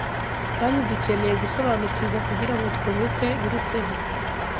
kandi dukeneye gusobanukirwa kugira ngo twunguke biruseho